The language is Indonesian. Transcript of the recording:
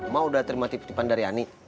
mau udah terima titipan dari ani